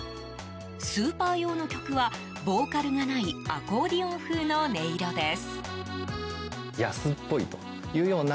スーパー用の曲はボーカルがないアコーディオン風の音色です。